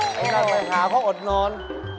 ห้ามก็หาเขาอดนอน